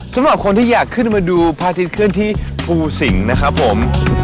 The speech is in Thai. สำหรับคนที่อยากขึ้นมาดูพระอาทิตย์ขึ้นที่ภูสิงห์นะครับผม